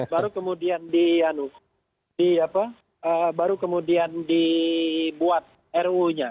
baru kemudian di apa baru kemudian dibuat ruu nya